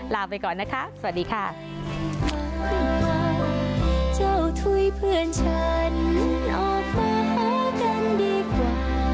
ลาไปก่อนนะคะสวัสดีค่ะ